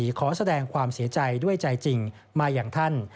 และพระราชินีขอแสดงความเสียใจด้วยใจจริงมาอย่างท่าน